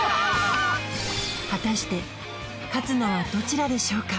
果たして勝つのはどちらでしょうか？